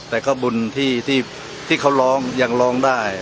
แต่ก็บุญที่เขาร้องยังร้องได้